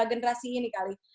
generasi ini kali